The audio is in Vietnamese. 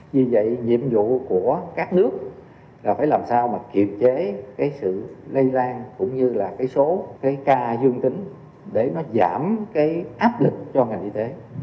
vì vậy nhiệm vụ của các nước là phải làm sao kiệp chế sự lây lan cũng như số ca dương tính để giảm áp lực cho ngành y tế